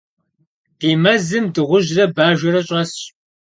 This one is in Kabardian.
Di mezım dığujre bajjere ş'esş.